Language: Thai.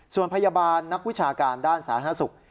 ส่วนพยาบาลนักวิชาการด้านสาธารณสุข